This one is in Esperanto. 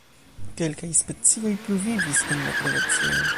Kelkaj specioj pluvivis en la Kretaceo.